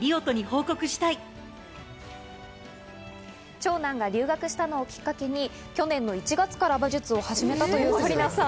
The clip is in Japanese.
長男が留学したのをきっかけに去年１月から馬術を始めたという紗理奈さん。